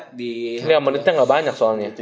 nih emenitnya gak banyak soalnya